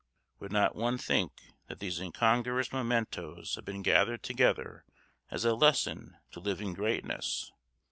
Would not one think that these incongruous mementos had been gathered together as a lesson to living greatness?